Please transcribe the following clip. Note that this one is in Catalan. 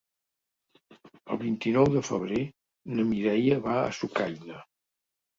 El vint-i-nou de febrer na Mireia va a Sucaina.